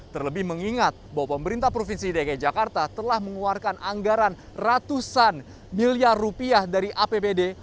terlebih mengingat bahwa pemerintah provinsi dki jakarta telah mengeluarkan anggaran ratusan miliar rupiah dari apbd